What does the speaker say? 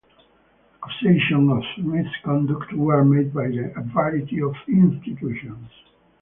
Accusations of misconduct were made by a variety of institutions.